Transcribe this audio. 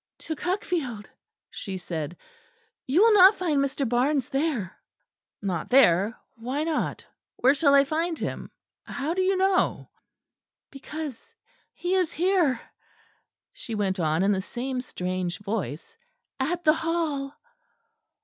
"To Cuckfield!" she said. "You will not find Mr. Barnes there." "Not there! why not? Where shall I find him? How do you know?" "Because he is here," she went on in the same strange voice, "at the Hall."